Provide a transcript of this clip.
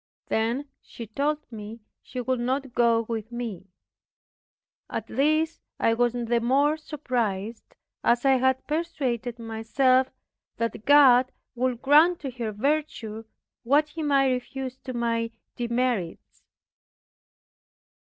Then she told me she would not go with me. At this I was the more surprised, as I had persuaded myself that God would grant to her virtue what He might refuse to my demerits.